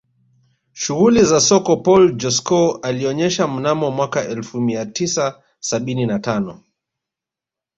Shughuli za soko Paul Joskow alionyesha mnamo mwaka elfu mia tisa sabini na tano